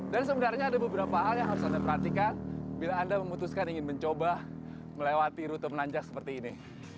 dan sebenarnya ada beberapa hal yang harus anda perhatikan bila anda memutuskan ingin mencoba melewati rute menanjak seperti ini